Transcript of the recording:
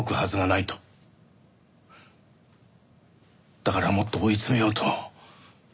だからもっと追い詰めようと。